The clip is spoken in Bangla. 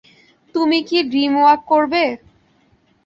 তুমি কি ড্রিমওয়াক করবে?